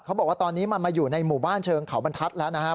บอกว่าตอนนี้มันมาอยู่ในหมู่บ้านเชิงเขาบรรทัศน์แล้วนะครับ